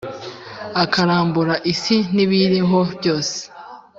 akarambura isi n’ibiyiriho byose,